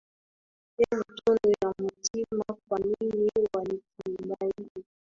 Ewe tunu ya mtima, kwa nini wanikimbia?